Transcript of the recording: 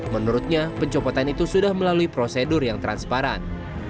menurutnya pencopotan itu sudah melalui prosedur yang transparan